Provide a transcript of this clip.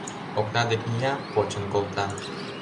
Окна дек мия, почын колта.